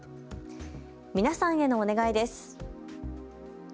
皆さんへのお願いです。